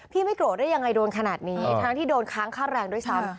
ไม่โกรธได้ยังไงโดนขนาดนี้ทั้งที่โดนค้างค่าแรงด้วยซ้ำ